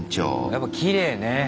やっぱきれいね。